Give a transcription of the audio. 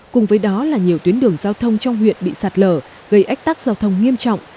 cùng với đó là nhiều tuyến đường giao thông trong huyện bị sạt lở gây ách tắc giao thông nghiêm trọng